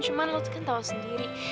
cuma lo tuh kan tau sendiri